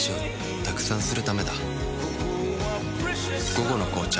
「午後の紅茶」